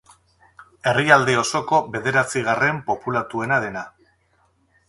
Herrialde osoko bederatzigarren populatuena dena.